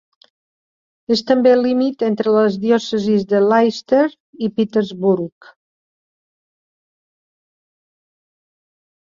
És també el límit entre les diòcesis de Leicester i Peterborough.